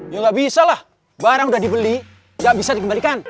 ya enggak bisa lah barang udah dibeli enggak bisa dikembalikan